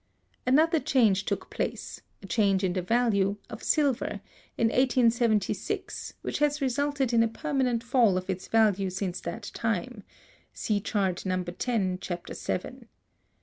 Another change took place, a change in the value, of silver, in 1876, which has resulted in a permanent fall of its value since that time (see chart No. X, Chap. VII).